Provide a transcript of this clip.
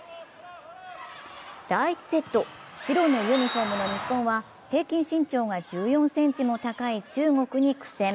第１セット、白のユニフォームの日本は平均身長が１４ｃｍも高い中国に苦戦。